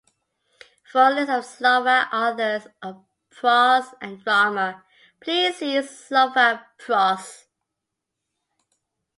For a list of Slovak authors of prose and drama, please see Slovak prose.